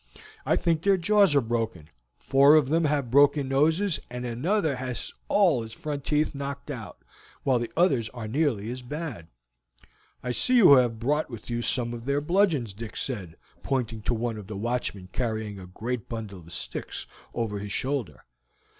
I think their jaws are broken; four of them have broken noses, and another has had all his front teeth knocked out, while the others are nearly as bad." "I see you have brought with you some of their bludgeons," Dick said, pointing to one of the watchmen carrying a great bundle of sticks over his shoulder.